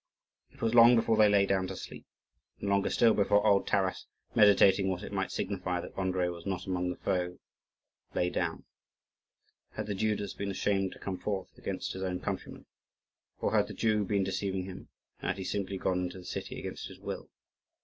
It was long before they lay down to sleep; and longer still before old Taras, meditating what it might signify that Andrii was not among the foe, lay down. Had the Judas been ashamed to come forth against his own countrymen? or had the Jew been deceiving him, and had he simply gone into the city against his will?